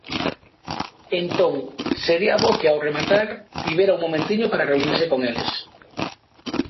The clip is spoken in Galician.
Entón, sería bo que ao rematar tivera un momentiño para reunirse con eles.